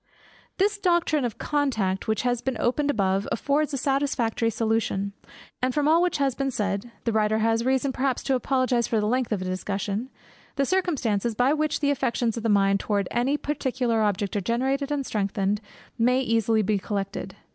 This doctrine of contact which has been opened above, affords a satisfactory solution; and from all which has been said (the writer has reason perhaps to apologize for the length of the discussion) the circumstances, by which the affections of the mind towards any particular object are generated and strengthened, may be easily collected.